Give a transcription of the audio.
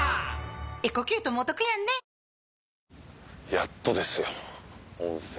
やっとですよ温泉。